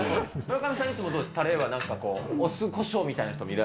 村上さん、いつもたれはなんかこう、お酢こしょうみたいな人もいる。